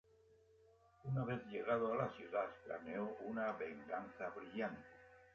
Una vez llegado a la ciudad planeó una venganza brillante.